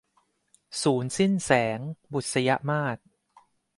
สูรย์สิ้นแสง - บุษยมาส